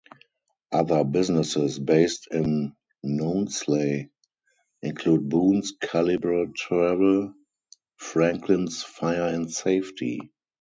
Other businesses based in Nounsley include Boon's Calibre Travel, Franklins Fire and Safety.